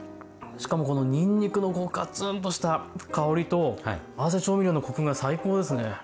しかもこのにんにくのガツンとした香りと合わせ調味料のコクが最高ですね。